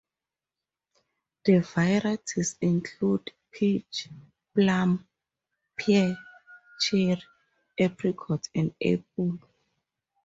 The varieties include peach, plum, pear, cherry, apricot and apple.